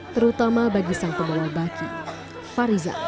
terutama bagi sang pembawa baki fariza